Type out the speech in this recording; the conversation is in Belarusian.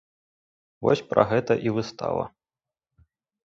Вось пра гэта і выстава.